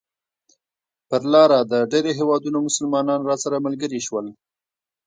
پر لاره د ډېرو هېوادونو مسلمانان راسره ملګري شول.